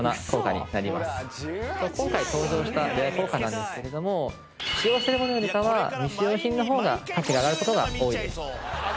今回登場したレア硬貨なんですけれども使用してるものよりかは未使用品の方が価値が上がることが多いです。